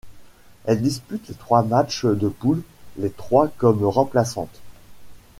Elle dispute les trois matchs de poule, les trois comme remplaçante.